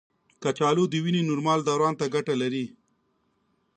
کچالو د وینې نورمال دوران ته ګټه لري.